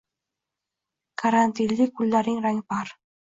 karantinli kunlaring rangpar